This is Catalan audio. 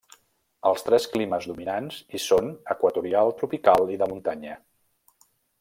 Els tres climes dominants hi són equatorial, tropical i de muntanya.